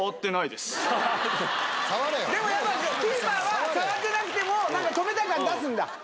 やっぱキーパーは触ってなくても止めた感出すんだ。